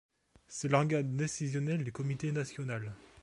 C'est l'organe décisionnel du comité national.